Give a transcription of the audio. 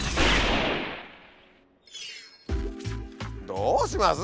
どうします？